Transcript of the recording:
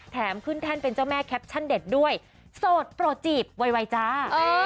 แถมขึ้นแท่นเป็นเจ้าแม่แคปชั่นเด็ดด้วยโสดโปรดจีบไวจ้า